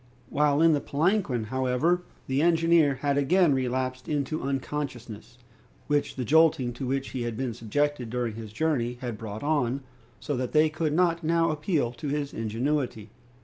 While in the palanquin, however, the engineer had again relapsed into unconsciousness, which the jolting to which he had been subjected during his journey had brought on, so that they could not now appeal to his ingenuity.